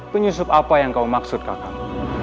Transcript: penyusup apa yang kau maksud kakak